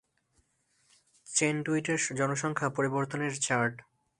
চেনডুইটের জনসংখ্যা পরিবর্তনের চার্ট